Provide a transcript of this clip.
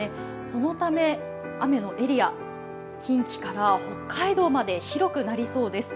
そのため、雨のエリア、近畿から北海道まで広くなりそうです。